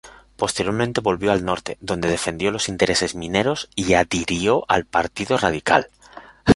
Posteriormente volvió al norte, donde defendió los intereses mineros y adhirió al Partido Radical.